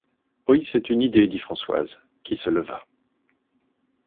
Oui, c’est une idée, dit Françoise, qui se leva.